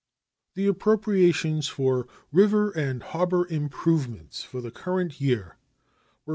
The appropriations for river and harbor improvements for the current year were $5,015,000.